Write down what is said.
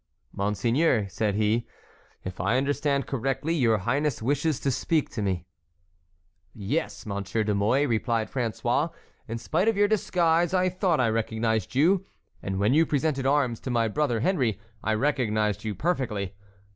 "Monseigneur," said he, "if I understand correctly, your highness wishes to speak to me." "Yes, Monsieur de Mouy," replied François. "In spite of your disguise I thought I recognized you, and when you presented arms to my brother Henry, I recognized you perfectly.